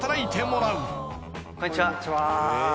こんにちは。